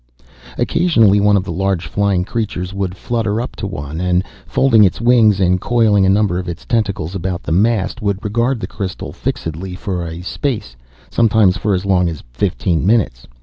Occasionally one of the large flying creatures would flutter up to one, and, folding its wings and coiling a number of its tentacles about the mast, would regard the crystal fixedly for a space, sometimes for as long as fifteen minutes.